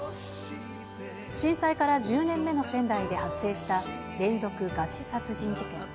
震災から１０年目の仙台で発生した連続餓死殺人事件。